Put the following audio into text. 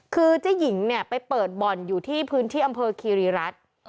คือเจ้าหญิงหรือไปเปิดบ่อนอยู่ที่พื้นที่อำเภอคิริรัติ